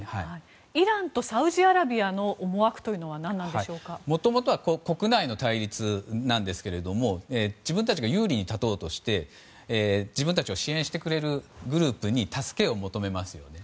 イランとサウジアラビアの思惑というのはもともと国内の対立ですが自分たちが優位に立とうとして自分たちを支援してくれるグループに助けを求めます。